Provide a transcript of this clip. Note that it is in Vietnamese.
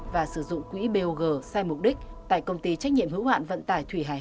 và sử dụng quỹ b o g sai mục đích tại công ty trách nhiệm hữu hoạn vận tải thủy hải hà